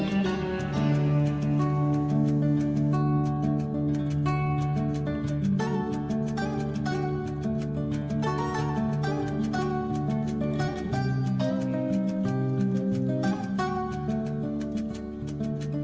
saya bisa menghendaki